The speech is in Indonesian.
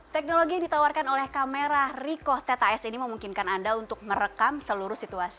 teknologi yang ditawarkan oleh kamera ricoh teta s ini memungkinkan anda untuk merekam seluruh situasi